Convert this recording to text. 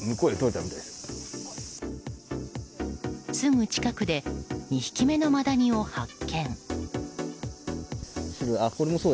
すぐ近くで２匹目のマダニを発見。